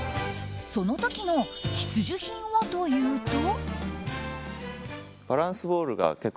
その時の必需品はというと。